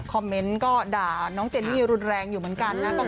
คอมเมนต์ก็ด่าน้องเจนี่รุนแรงอยู่เหมือนกันนะ